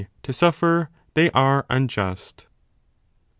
to suffer, they are unjust.